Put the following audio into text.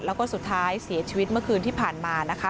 แล้วก็สุดท้ายเสียชีวิตเมื่อคืนที่ผ่านมานะคะ